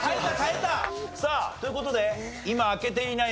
さあという事で今開けていない